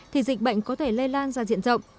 thì dịch bệnh có thể lây lan ra diện rộng